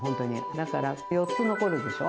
だから４つ残るでしょ？